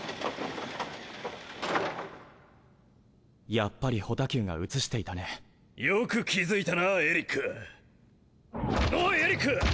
やっぱりホタキューがうつしていたねよく気づいたなエリックおいエリック！